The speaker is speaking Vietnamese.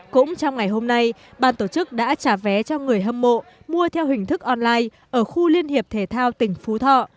cũng trong ngày hôm nay ban tổ chức đã trả vé cho người hâm mộ mua theo hình thức online ở khu liên hiệp thể thao tỉnh phú thọ